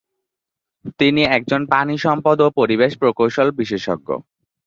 তিনি একজন পানি সম্পদ ও পরিবেশ প্রকৌশল বিশেষজ্ঞ।